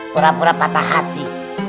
pura pura patah hati